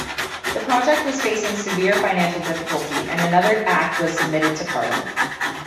The project was facing severe financial difficulty and another Act was submitted to Parliament.